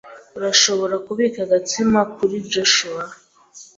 Urashobora kubika agatsima kuri Joshua.